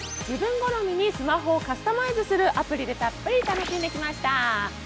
自分好みにスマホをカスタマイズするアプリでたっぷり楽しんできました。